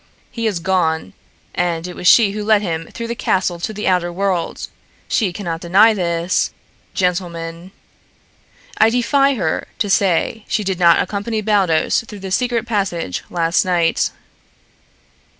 He is gone, and it was she who led him through the castle to the outer world. She cannot deny this, gentlemen. I defy her to say she did not accompany Baldos through the secret passage last night."